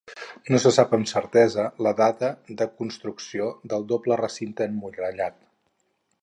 No se sap amb certesa la data de construcció del doble recinte emmurallat.